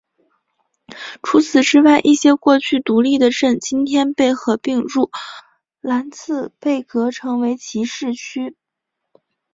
除此之外一些过去独立的镇今天被合并入兰茨贝格成为其市区。